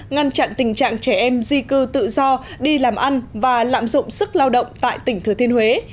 ngăn chặn tình trạng trẻ em di cư tự do đi làm ăn và lạm dụng sức lao động tại tỉnh thừa thiên huế